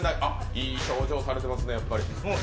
いい表情されてますね、やっぱり。